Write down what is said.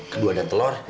kedua ada telur